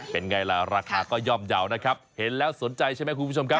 เป็นไงล่ะราคาก็ย่อมเยาว์นะครับเห็นแล้วสนใจใช่ไหมคุณผู้ชมครับ